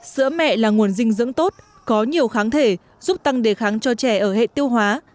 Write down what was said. sữa mẹ là nguồn dinh dưỡng tốt có nhiều kháng thể giúp tăng đề kháng cho trẻ ở hệ tiêu hóa